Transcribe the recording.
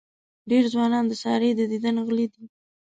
ډېر ځوانان د سارې د دیدن غله دي.